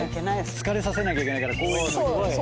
疲れさせなきゃいけないから公園にも。